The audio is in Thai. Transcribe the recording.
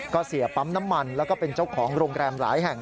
ก็เสียปั๊มน้ำมันแล้วก็เป็นเจ้าของโรงแรมหลายแห่ง